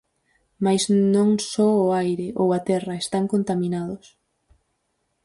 Mais non só o aire, ou a terra, están contaminados.